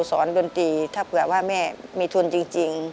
ที่สอนดนตรีเผื่อแม่มีทุนจริง